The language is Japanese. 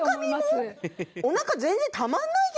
おなか全然たまんないけどね。